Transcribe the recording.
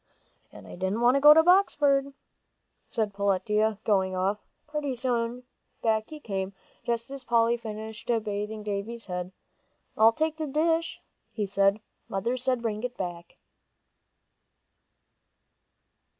"And I didn't want to go to Boxford," said Peletiah, going off. Pretty soon, back he came, just as Polly finished bathing Davie's head. "I'll take the dish," he said. "Mother said bring it back."